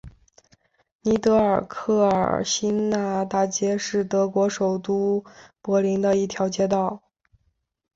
尼德尔克尔新纳大街是德国首都柏林的一条街道。